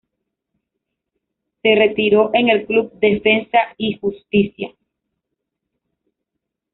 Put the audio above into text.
Se retiró en el club Defensa y Justicia.